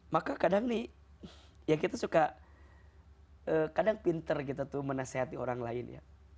maka kadang nih yang kita suka kadang pinter kita tuh menasehati orang lain ya